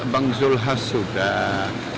bang zul hasudah